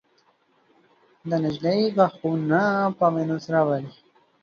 د نجلۍ غاښونه په وينو سره ول.